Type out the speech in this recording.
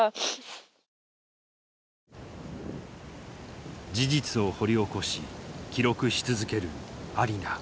事実を掘り起こし記録し続けるアリナ。